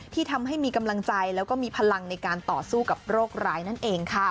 ที่ทำให้มีกำลังใจแล้วก็มีพลังในการต่อสู้กับโรคร้ายนั่นเองค่ะ